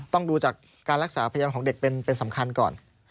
ต้องดูจากการรักษาพยาบาลของเด็กเป็นสำคัญก่อน